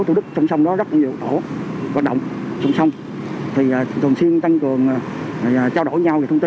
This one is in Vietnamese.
nếu xác định có dấu hiệu hoạt động thì chúng tôi thực hiện các phát nghiệp buộc ngay